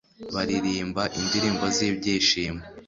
baririmba indirimbo z'ibyishimo